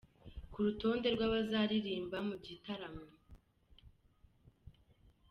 ku rutonde rw’abazaririmba mu gitaramo